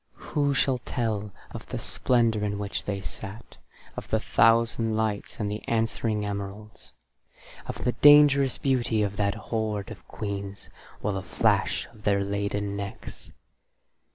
Who shall tell of the splendour in which they sat; of the thousand lights and the answering emeralds; of the dangerous beauty of that hoard of queens, or the flash of their laden necks?